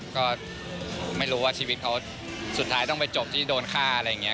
ก็ไม่รู้ว่าชีวิตเขาสุดท้ายต้องไปจบที่โดนฆ่าอะไรอย่างนี้